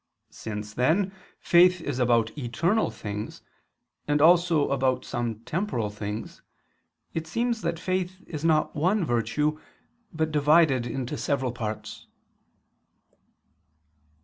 Since, then, faith is about eternal things, and also about some temporal things, it seems that faith is not one virtue, but divided into several parts.